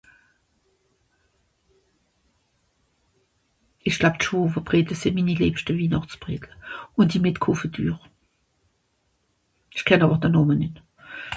Ìch glaab d'Schwowebredle sìn minni liebschte Wihnàchtsbredle, ùn die mìt Konfitür. Ìch kenn àwer de Nàmme nìt.